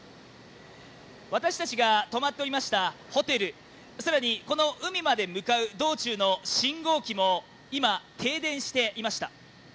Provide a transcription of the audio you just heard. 私たちが泊まっておりましたホテル、更に海まで向かう道中の信号機も今、停電していました。